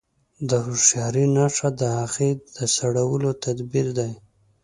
د هوښياري نښه د هغې د سړولو تدبير دی.